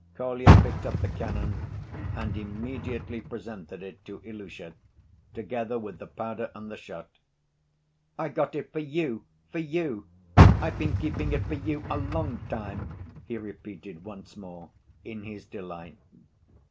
Kolya picked up the cannon and immediately presented it to Ilusha, together with the powder and the shot. "I got it for you, for you! I've been keeping it for you a long time," he repeated once more in his delight.